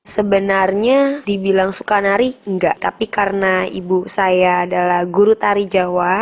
sebenarnya dibilang suka nari enggak tapi karena ibu saya adalah guru tari jawa